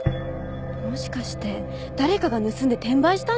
もしかして誰かが盗んで転売したんじゃないですか？